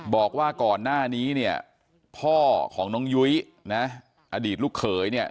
บอกว่าก่อนหน้านี้เนี่ยพ่อของน้องยุ้ยนะอดีตลูกเขยเนี่ย